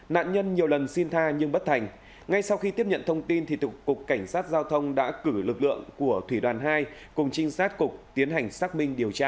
nạn nhân nhiều lần xin tha nhưng bất thành ngay sau khi tiếp nhận thông tin thì tục cục cảnh sát giao thông đã cử lực lượng của thủy đoàn hai cùng trinh sát cục tiến hành xác minh điều tra